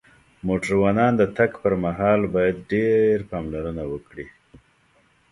موټروانان د تک پر وخت باید ډیر پاملرنه وکړی